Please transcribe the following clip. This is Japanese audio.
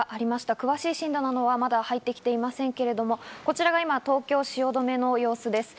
詳しい震度などはまだ入ってきていませんけど、こちらが今東京・汐留の様子です。